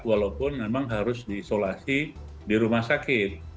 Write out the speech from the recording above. walaupun memang harus diisolasi di rumah sakit